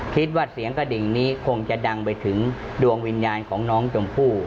คิดว่าเสียงกระดิ่งนี้คงจะดังไปถึงดวงวิญญาณของน้องชมพู่